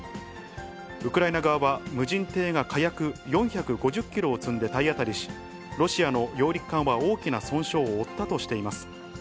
ウクライナ側は、無人艇が火薬４５０キロを積んで体当たりし、ロシアの揚陸艦は大きな損傷を負ったとしています。